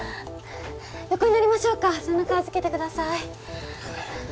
横になりましょうか背中預けてください